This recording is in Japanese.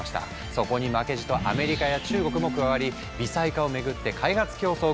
そこに負けじとアメリカや中国も加わり微細化をめぐって開発競争が激化中！